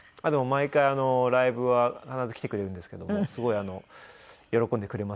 毎回ライブは必ず来てくれるんですけどもすごい喜んでくれますね。